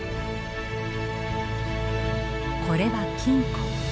これは金庫。